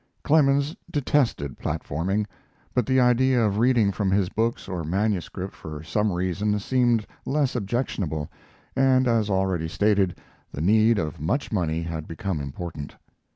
Clemens detested platforming, but the idea of reading from his books or manuscript for some reason seemed less objectionable, and, as already stated, the need of much money had become important.